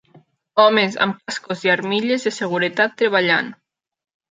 Homes amb cascos i armilles de seguretat treballant.